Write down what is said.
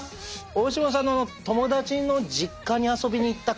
大島さんの友達の実家に遊びに行った感。